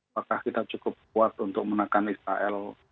apakah kita cukup kuat untuk menekan israel